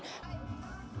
có mặt từ rất sớm